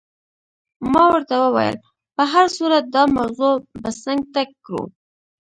ما ورته وویل: په هر صورت دا موضوع به څنګ ته کړو.